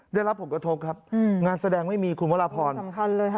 ได้รับผลกระทบครับงานแสดงไม่มีคุณวรพรสำคัญเลยค่ะ